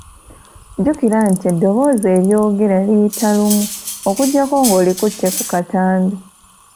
Jjukira nti eddoboozi eryogere liyita lumu, okuggyako ng’olikutte ku katambi .